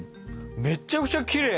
めちゃくちゃきれい！